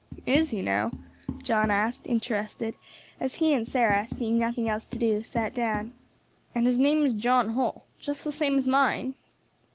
"Is he, now?" John asked, interested, as he and Sarah, seeing nothing else to do, sat down. "And his name is John Holl, just the same as mine?"